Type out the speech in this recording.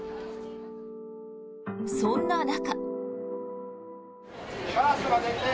そんな中。